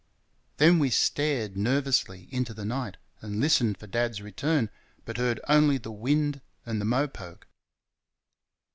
Then we stared, nervously, into the night, and listened for Dad's return, but heard only the wind and the mopoke.